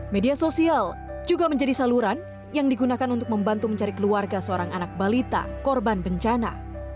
media sosial juga menjadi saluran yang digunakan untuk membantu mencari keluarga seorang anak balita korban bencana